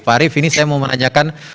pak arief ini saya mau menanyakan